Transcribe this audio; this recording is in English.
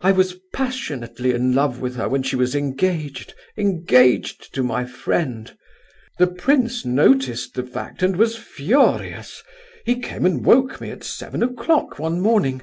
"I was passionately in love with her when she was engaged—engaged to my friend. The prince noticed the fact and was furious. He came and woke me at seven o'clock one morning.